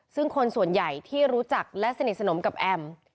ซึ่งคนส่วนใหญ่ที่รู้จักและสนิทสนมกับแอม